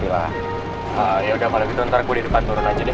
ya yaudah kalau gitu ntar ku di depan turun aja deh